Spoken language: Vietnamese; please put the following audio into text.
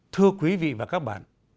thưa quý vị và các bạn